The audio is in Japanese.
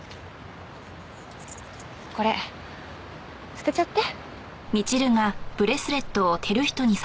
これ捨てちゃって。